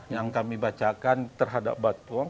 yang kami bacakan terhadap batuang